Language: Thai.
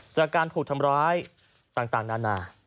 จากการถูกทำร้ายต่างนานา